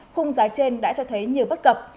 khung giá trên đã cho thấy nhiều bất cập